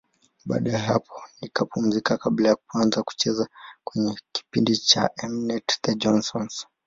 Baada ya hapo nikapumzika kabla ya kuanza kucheza kwenye kipindi cha M-net, The Johnsons.